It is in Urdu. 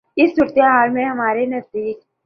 اس صورتِ حال میں ہمارے نزدیک